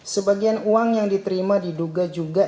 sebagian uang yang diterima diduga juga